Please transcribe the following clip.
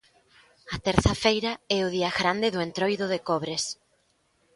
A terza feira é o día grande do entroido de Cobres.